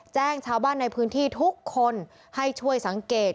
แจ้งชาวบ้านในพื้นที่ทุกคนให้ช่วยสังเกต